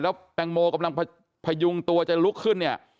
แล้วแตงโมกำลังพยุงตัวจะลุกขึ้นเนี่ย